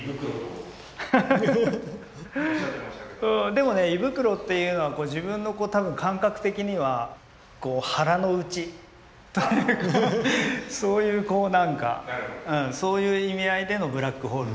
でもね胃袋っていうのはこう自分の多分感覚的にはこう腹の内というかそういうこうなんかそういう意味合いでのブラックホールっていうかね。